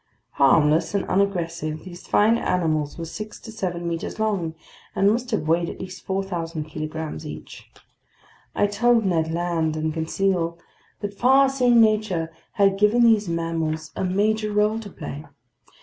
Harmless and unaggressive, these fine animals were six to seven meters long and must have weighed at least 4,000 kilograms each. I told Ned Land and Conseil that farseeing nature had given these mammals a major role to play.